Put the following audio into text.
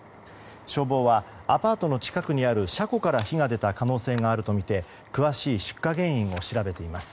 消防はアパートの近くにある車庫から火が出た可能性があるとみて詳しい出火原因を調べています。